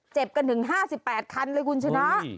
เจ็บกันถึง๕๘คันเลยคุณชนะ